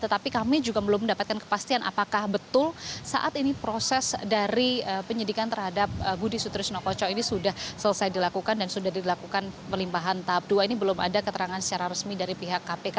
tetapi kami juga belum mendapatkan kepastian apakah betul saat ini proses dari penyidikan terhadap budi sutrisno kocok ini sudah selesai dilakukan dan sudah dilakukan pelimpahan tahap dua ini belum ada keterangan secara resmi dari pihak kpk